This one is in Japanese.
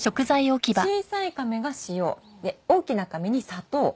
小さいかめが塩で大きなかめに砂糖。